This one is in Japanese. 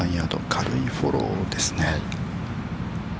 軽いフォローですね。